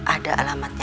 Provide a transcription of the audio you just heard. ada alamat jemput